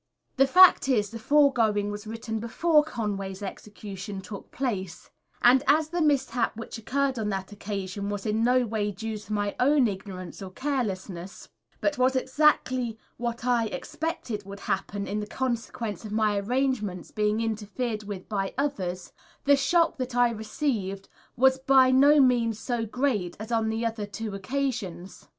The fact is, the foregoing was written before Conway's execution took place, and as the mishap which occurred on that occasion was in no way due to my own ignorance or carelessness, but was exactly what I expected would happen in consequence of my arrangements being interfered with by others, the shock that I received was by no means so great as on the two other occasions.